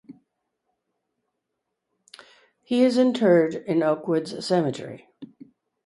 He is interred in Oak Woods Cemetery.